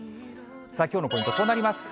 きょうのポイント、こうなります。